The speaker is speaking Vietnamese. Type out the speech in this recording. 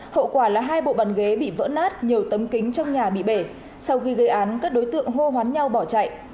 hậu quả là hai bộ bàn ghế bị vỡ nát nhiều tấm kính trong nhà bị bể sau khi gây án các đối tượng hô hoán nhau bỏ chạy